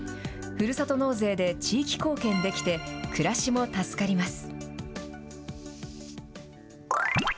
ふるさと納税で地域貢献できて、暮らしも助かります。